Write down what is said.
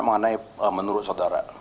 mengenai menurut saudara